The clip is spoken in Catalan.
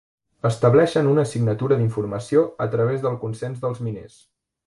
Estableixen una signatura d'informació a través del consens dels miners.